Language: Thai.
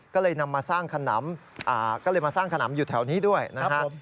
ก็เลยนำมาสร้างขนำอยู่แถวนี้ด้วยนะครับ